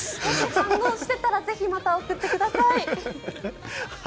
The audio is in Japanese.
反応してたらぜひまた送ってください。